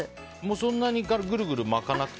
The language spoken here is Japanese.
そんなにぐるぐる巻かなくても？